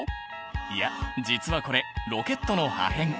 いや実はこれロケットの破片